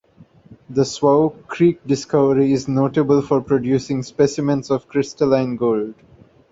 The Swauk creek discovery is notable for producing specimens of crystalline gold.